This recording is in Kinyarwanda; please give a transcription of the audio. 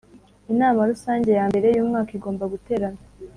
Inama Rusange ya mbere y’umwaka igomba guterana